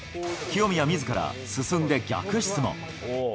清宮みずから、進んで逆質問。